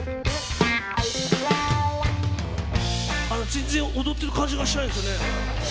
全然踊ってる感じがしないんですけどね。